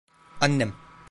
Annem.